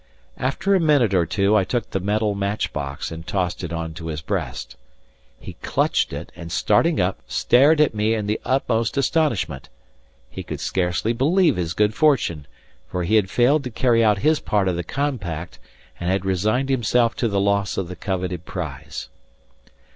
After a minute or two I took the metal match box and tossed it on to his breast. He clutched it and, starting up, stared at me in the utmost astonishment. He could scarcely believe his good fortune; for he had failed to carry out his part of the compact and had resigned himself to the loss of the coveted prize.